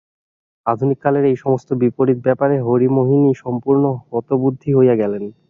আধুনিক কালের এই-সমস্ত বিপরীত ব্যাপারে হরিমোহিনী সম্পূর্ণ হতবুদ্ধি হইয়া গেলেন।